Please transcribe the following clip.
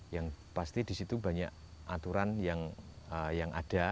yang pasti disitu banyak aturan yang ada